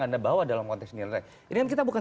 anda bawa dalam konteks ini ini kan kita bukan